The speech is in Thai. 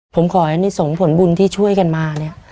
ผมขอให้นี่ส่งผลบุญที่ช่วยกันมาเนี่ย